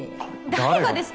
誰がです。